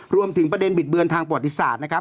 รวมถึงประเด็นบิดเบือนทางปวดศาสตร์นะครับ